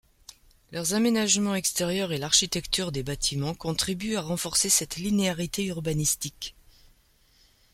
Leurs aménagements extérieurs et l'architecture des bâtiments contribuent à renforcer cette linéarité urbanistique.